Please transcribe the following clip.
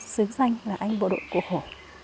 sướng danh là anh bộ đội của hồ